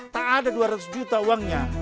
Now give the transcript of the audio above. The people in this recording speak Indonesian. tak ada dua ratus juta uangnya